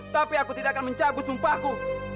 tapi aku tidak akan mencabut sumpahku